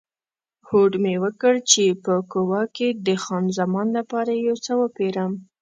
هوډ مې وکړ چې په کووا کې د خان زمان لپاره یو څه وپیرم.